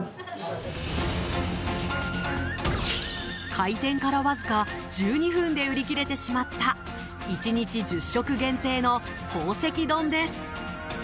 開店からわずか１２分で売り切れてしまった１日１０食限定の宝石丼です。